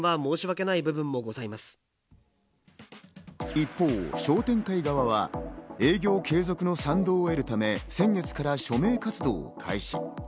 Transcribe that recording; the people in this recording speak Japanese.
一方、商店会側は営業継続の賛同を得るため、先月から署名活動を開始。